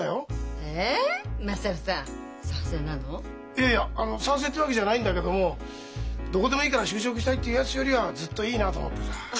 いやいや賛成ってわけじゃないんだけども「どこでもいいから就職したい」って言うやつよりはずっといいなと思ってさ。